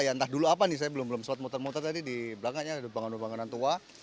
ya entah dulu apa nih saya belum belum sempat muter muter tadi di belakangnya ada bangunan bangunan tua